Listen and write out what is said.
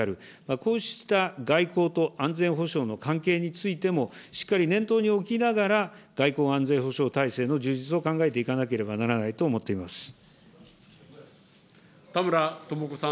こうした外交と安全保障の関係についても、しっかり念頭に置きながら、外交・安全保障体制の充実を考えていかなければならないと思って田村智子さん。